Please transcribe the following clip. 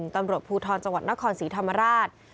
ตำรวจภูทรจังหวัดนครศรีธรรมราช